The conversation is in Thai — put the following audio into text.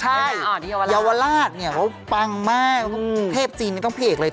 ใช่เยาวราชเนี่ยเขาปังมากเทพจีนก็พี่เอกเลย